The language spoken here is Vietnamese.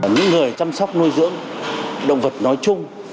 những người chăm sóc nuôi dưỡng động vật nói chung